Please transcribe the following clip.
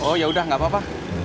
oh yaudah nggak apa apa